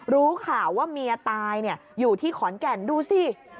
รู้ข่าวว่าเมียตายอยู่ที่ขอนแก่นดูสิ